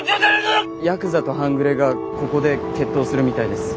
ヤクザと半グレがここで決闘するみたいです。